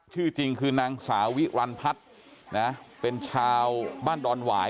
ชื่อจริงคือนางสาวิรันพัฒน์นะเป็นชาวบ้านดอนหวาย